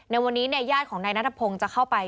ในวันนี้ญาติของนายนัทพงศ์จะเข้าไป